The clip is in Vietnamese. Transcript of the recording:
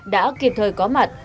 đã kịp thời có mặt